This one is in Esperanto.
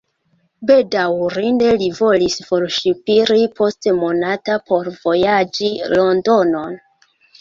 Bedaŭrinde li volis forŝipiri post monato por vojaĝi Londonon.